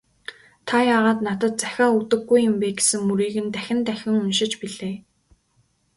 "Та яагаад надад захиа өгдөггүй юм бэ» гэсэн мөрийг нь дахин дахин уншиж билээ.